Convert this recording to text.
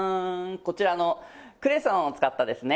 こちらのクレソンを使ったですね